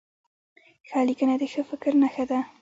ښه لیکنه د ښه فکر نښه ده.